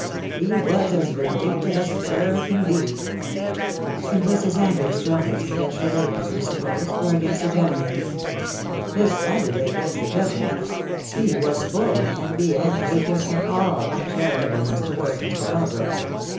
"He was as vindictive as a cur can be." "And was his anger strongest against the lady, do you suppose, or against the gentleman?" 88 THE DAY WILL COME. "Decidedly against the gentleman. He was full of envy and hatred and all uncharitableness towards Mr. Dalbrook.